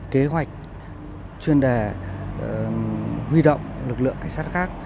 kế hoạch chuyên đề huy động lực lượng cảnh sát khác